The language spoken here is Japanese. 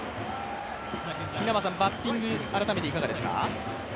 バッティング、改めていかがですか？